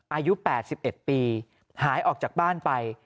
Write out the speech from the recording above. อายุ๘๑ปีหายออกจากบ้านไป